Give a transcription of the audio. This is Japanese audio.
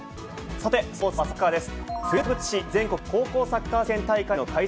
さて、スポーツはサッカーです。